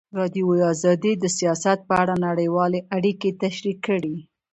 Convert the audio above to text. ازادي راډیو د سیاست په اړه نړیوالې اړیکې تشریح کړي.